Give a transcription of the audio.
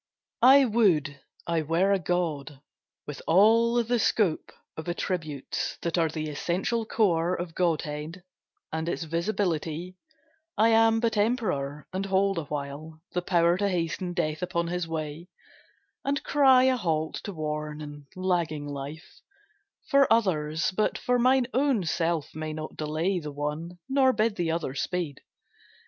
I would I were a god, with all the scope Of attributes that are the essential core Of godhead, and its visibility. I am but emperor, and hold awhile The power to hasten Death upon his way, And cry a halt to worn and lagging Life For others, but for mine own self may not Delay the one, nor bid the other speed.